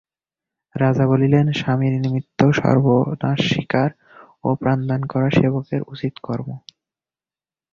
রাজা বলিলেন, স্বামীর নিমিত্ত সর্বনাশস্বীকার ও প্রাণদান করা সেবকের উচিত কর্ম।